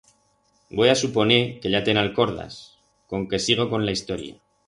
Voi a suponer que ya te'n alcordas, conque sigo con la historia.